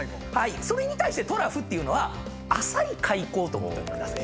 それに対してトラフっていうのは浅い海溝と思っといてください。